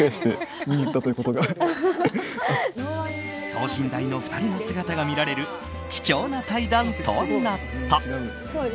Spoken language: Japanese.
等身大の２人の姿が見られる貴重な対談となった。